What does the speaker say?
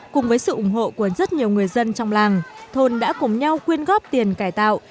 cùng với sự ủng hộ của rất nhiều người dân trong làng thôn đã cùng nhau quyên góp tiền cải tạo